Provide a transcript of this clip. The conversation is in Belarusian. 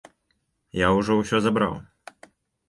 Я ўжо ўсё забраў!